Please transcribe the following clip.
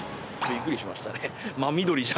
びっくりしましたね。